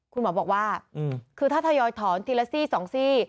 คุณหมอบอกว่าคือถ้าทยอยถอนทีละซี่๒ซี่